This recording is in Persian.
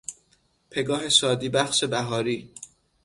پگاه شادی بخش بهاری